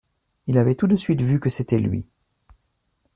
Il avait tout de suite vu que c’était lui.